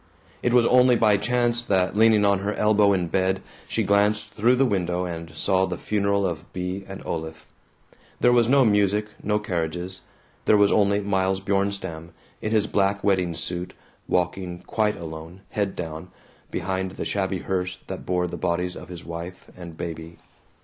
It was only by chance that, leaning on her elbow in bed, she glanced through the window and saw the funeral of Bea and Olaf. There was no music, no carriages. There was only Miles Bjornstam, in his black wedding suit, walking quite alone, head down, behind the shabby hearse that bore the bodies of his wife and baby.